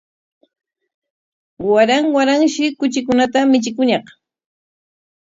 Waran waranshi kuchikunata michikuñaq